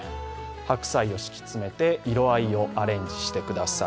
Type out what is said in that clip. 白菜を敷き詰めて色合いをアレンジしてください。